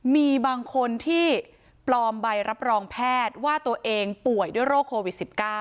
มีบางคนที่ปลอมใบรับรองแพทย์ว่าตัวเองป่วยด้วยโรคโควิด๑๙